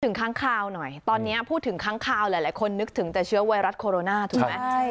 ค้างคาวหน่อยตอนนี้พูดถึงค้างคาวหลายคนนึกถึงแต่เชื้อไวรัสโคโรนาถูกไหม